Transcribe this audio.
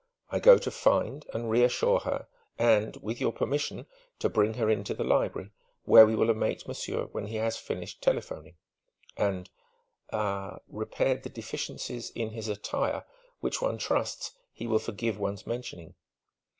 I go to find and reassure her and with your permission to bring her in to the library, where we will await monsieur when he has finished telephoning and ah repaired the deficiencies in his attire; which one trusts he will forgive one's mentioning!"